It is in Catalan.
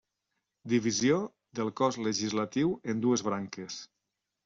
Divisió del cos legislatiu en dues branques.